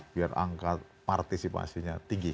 biar angka partisipasinya tinggi